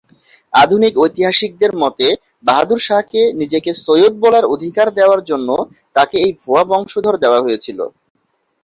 আধুনিক ঐতিহাসিকদের মতে বাহাদুর শাহকে নিজেকে সৈয়দ বলার অধিকার দেওয়ার জন্য তাঁকে এই ভুয়া বংশধর দেওয়া হয়েছিল।